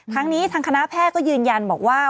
ทั้งนี้ทางคณะแพทย์ก็ยืนยันบอกว่า